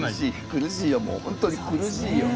苦しいよもうほんとに苦しいよ。